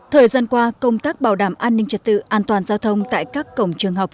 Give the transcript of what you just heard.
thời gian qua công tác bảo đảm an ninh trật tự an toàn giao thông tại các cổng trường học